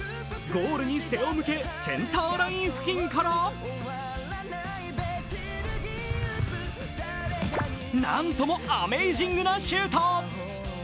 ゴールに背を向け、センターライン付近からててなんともアメージングなシュート。